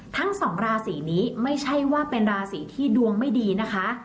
ทั้งสองราศีนี้ไม่ใช่ว่าเป็นราศีที่ดวงไม่ดีนะคะ